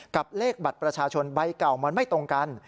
กับเลขบัตรประชาชนใบเก่ามันไม่ตรงกัน